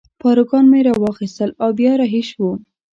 پاروګان مې را واخیستل او بیا رهي شوو.